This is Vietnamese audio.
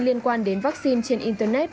liên quan đến vaccine trên internet